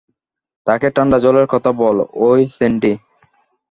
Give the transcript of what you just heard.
তাকে ঠান্ডা জলের কথা বল এই, স্যান্ডি?